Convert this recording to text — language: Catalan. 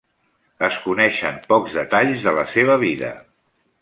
Es coneixen pocs detalls de la seva vida.